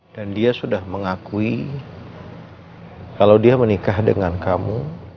dan dia sudah mengakui kalau dia menikah dengan kamu